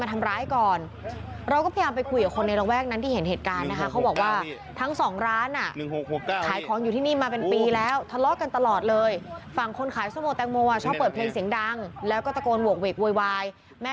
เท่านั้นแหละค่ะฟันกันเลย